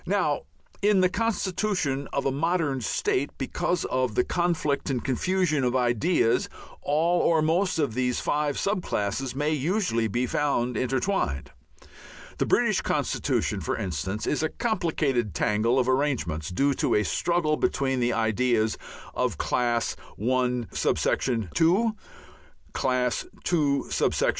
Now in the constitution of a modern state, because of the conflict and confusion of ideas, all or most of these five sub classes may usually be found intertwined. The British constitution, for instance, is a complicated tangle of arrangements, due to a struggle between the ideas of Class I.(2), Class II.